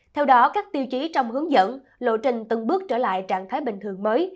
theo đó các tiêu chí trong hướng dẫn lộ trình từng bước trở lại trạng thái bình thường mới